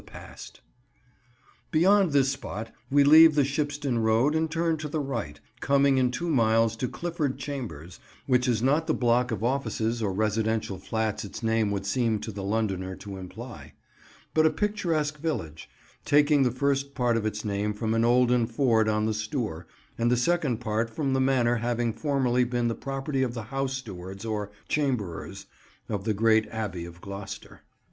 [Picture: Clopton Bridge, and the "Swan's Nest"] Beyond this spot we leave the Shipston road and turn to the right, coming in two miles to Clifford Chambers, which is not the block of offices or residential flats its name would seem to the Londoner to imply, but a picturesque village, taking the first part of its name from an olden ford on the Stour, and the second part from the manor having formerly been the property of the house stewards, or "Chamberers," of the great Abbey of Gloucester.